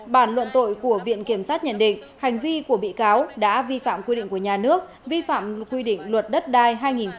bản luận tội của viện kiểm sát nhận định hành vi của bị cáo đã vi phạm quy định của nhà nước vi phạm quy định luật đất đai hai nghìn một mươi ba